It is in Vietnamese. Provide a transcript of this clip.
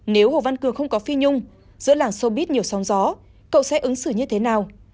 nếu hồ văn cường không có phi nhung giữa làng xô bít nhiều sóng gió cậu sẽ ứng xử như thế nào